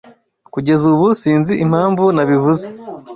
Kugeza ubu sinzi impamvu nabivuze.